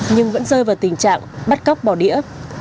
nhưng vẫn rơi vào tình trạng bắt cóc bỏ đĩa